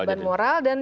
ada beban moral